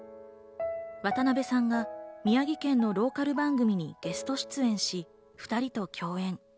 渡辺さんが宮城県のローカル番組にゲスト出演し、２人と共演。